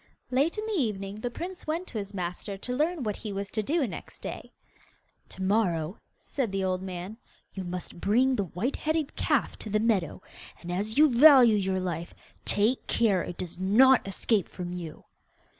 Late in the evening the prince went to his master to learn what he was to do next day. 'To morrow,' said the old man, 'you must bring the white headed calf to the meadow, and, as you value your life, take care it does not escape from you.